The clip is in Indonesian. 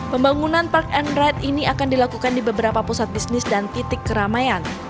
pembangunan park and ride ini akan dilakukan di beberapa pusat bisnis dan titik keramaian